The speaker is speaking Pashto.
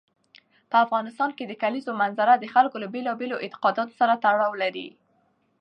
په افغانستان کې د کلیزو منظره د خلکو له بېلابېلو اعتقاداتو سره تړاو لري.